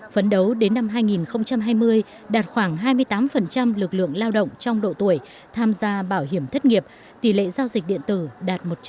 phấn đấu đến năm hai nghìn hai mươi đạt khoảng hai mươi tám lực lượng lao động trong độ tuổi tham gia bảo hiểm thất nghiệp tỷ lệ giao dịch điện tử đạt một trăm linh